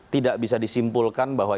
tidak bisa disimpulkan bahwa